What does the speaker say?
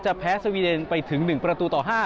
แพ้สวีเดนไปถึง๑ประตูต่อ๕